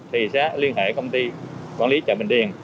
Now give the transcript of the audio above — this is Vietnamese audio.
thì sẽ liên hệ công ty quản lý chợ bình điền